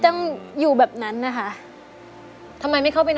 ทั้งในเรื่องของการทำงานเคยทำนานแล้วเกิดปัญหาน้อย